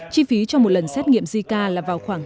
chi phí cho một lần xét nghiệm zika là một triệu đồng